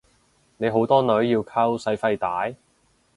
你好多女要溝使費大？